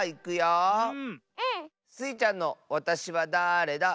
うん。スイちゃんの「わたしはだれだ？」。